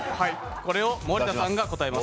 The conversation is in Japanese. これを森田さんが答えます。